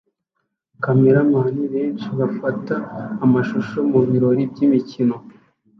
Kameramen benshi bafata amashusho mubirori by'imikino